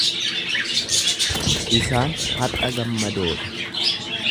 Isaan har'a gammadoo dha.